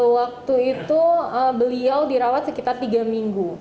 waktu itu beliau dirawat sekitar tiga minggu